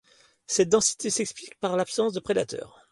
Cette densité s'explique par l'absence de prédateurs.